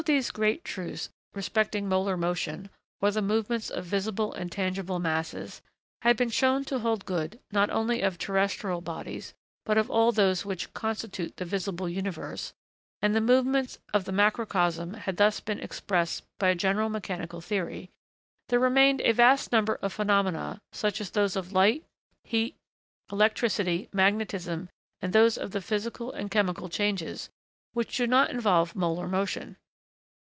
] When all these great truths respecting molar motion, or the movements of visible and tangible masses, had been shown to hold good not only of terrestrial bodies, but of all those which constitute the visible universe, and the movements of the macrocosm had thus been expressed by a general mechanical theory, there remained a vast number of phenomena, such as those of light, heat, electricity, magnetism, and those of the physical and chemical changes, which do not involve molar motion.